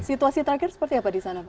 situasi terakhir seperti apa di sana